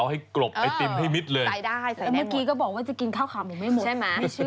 ออกให้กรบไอติมให้มิดเลยใส่ได้แต่เมื่อกี้ก็บอกว่าจะกินข้าวขาหมูไม่หมด